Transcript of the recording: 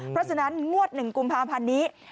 เพราะฉะนั้นงวด๑กุมภาพันธ์นี้